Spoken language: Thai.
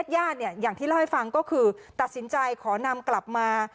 ญาติเนี่ยอย่างที่เล่าให้ฟังก็คือตัดสินใจขอนำกลับมา